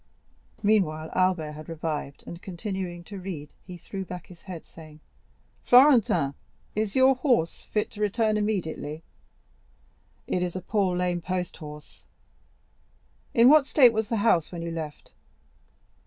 Meanwhile Albert had revived, and, continuing to read, he threw back his head, saying: "Florentin, is your horse fit to return immediately?" "It is a poor, lame post horse." "In what state was the house when you left?"